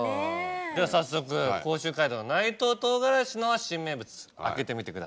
では早速甲州街道の内藤とうがらしの新名物開けてみてください。